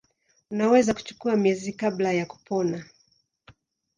Unaweza kuchukua miezi kabla ya kupona.